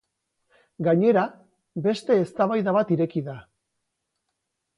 Gainera, beste eztabaida bat ireki da.